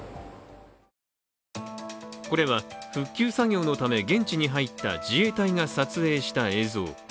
これは、復旧作業のため現地に入った自衛隊が撮影した映像。